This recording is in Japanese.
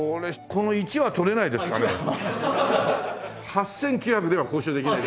８９００では交渉できない。